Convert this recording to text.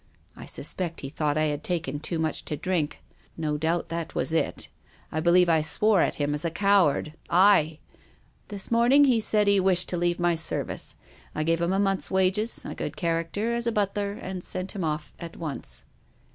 I suspect he thought I had taken too much to drink. No doubt that was it. I be PROFESSOR GUILDEA. 329 Heve I swore at him as a coward — I ! This morn ing he said he wished to leave my service. I gave him a month's wages, a good character as a but ler, and sent him off at once."